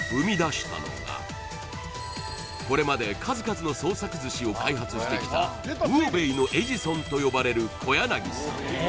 これまで数々の創作寿司を開発してきた魚べいのエジソンと呼ばれる小柳さん